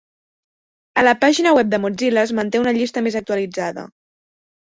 A la pàgina web de Mozilla es manté una llista més actualitzada.